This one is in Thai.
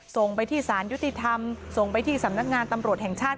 ส่งไปที่สารยุติธรรมส่งไปที่สำนักงานตำรวจแห่งชาติ